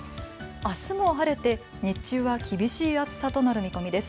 あすも晴れて日中は厳しい暑さとなる見込みです。